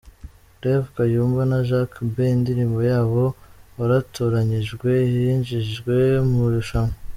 Rev Kayumba na Jack B indirimbo yabo 'Waratoranyijwe' yinjijwe mu irushanwa.